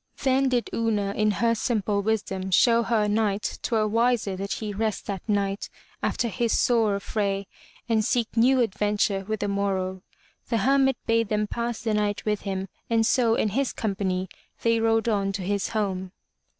Then did Una in her i6 FROM THE TOWER WINDOW simple wisdom show her Knight 'twere wiser that he rest that night after his sore affray and seek new adventure with the mor row. The Hermit bade them pass the night with him and so in his company they rode on to his home.